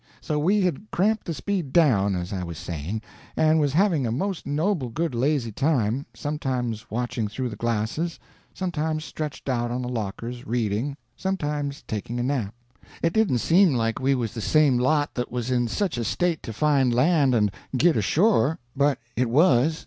So we had cramped the speed down, as I was saying, and was having a most noble good lazy time, sometimes watching through the glasses, sometimes stretched out on the lockers reading, sometimes taking a nap. It didn't seem like we was the same lot that was in such a state to find land and git ashore, but it was.